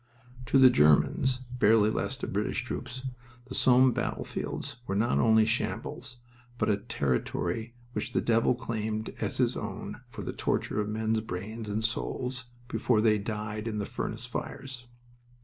To the Germans (barely less to British troops) the Somme battlefields were not only shambles, but a territory which the devil claimed as his own for the torture of men's brains and souls before they died in the furnace fires.